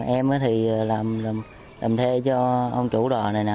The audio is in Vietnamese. em thì làm thê cho ông chủ đò này nè